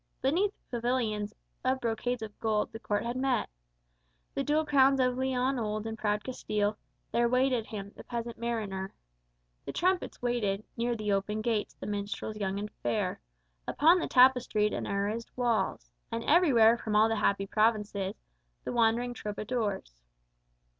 Beneath pavilions Of brocades of gold, the Court had met. The dual crowns of Leon old and proud Castile There waited him, the peasant mariner. The trumpets waited Near the open gates; the minstrels young and fair Upon the tapestried and arrased walls, And everywhere from all the happy provinces The wandering troubadours.